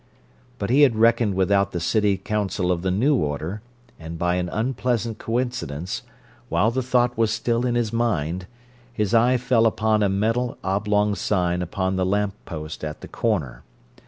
But he had reckoned without the city council of the new order, and by an unpleasant coincidence, while the thought was still in his mind, his eye fell upon a metal oblong sign upon the lamppost at the corner.